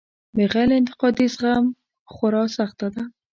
بغیر له انتقادي زغم خورا سخته ده.